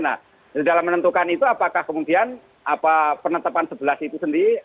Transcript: nah dalam menentukan itu apakah kemudian penetapan sebelah situ sendiri